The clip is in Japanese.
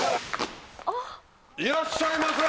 いらっしゃいませ。